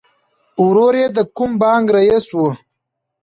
ورور یې د کوم بانک رئیس و